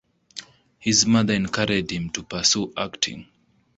His mother encouraged him to pursue acting.